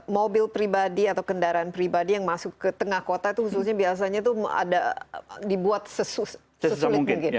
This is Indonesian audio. mobil pribadi atau kendaraan pribadi yang masuk ke tengah kota itu khususnya biasanya itu ada dibuat sesulit mungkin